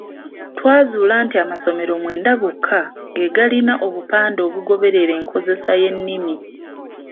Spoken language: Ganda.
Twazula nti amasomero mwenda gokka ge galina obupande obugoberera enkozesa y’ennimi.